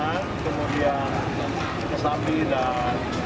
secara presentasi lintasan sejidang